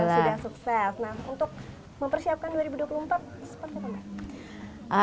nah untuk mempersiapkan dua ribu dua puluh empat